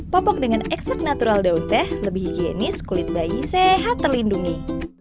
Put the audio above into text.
popok dengan eksak natural daun teh lebih higienis kulit bayi sehat terlindungi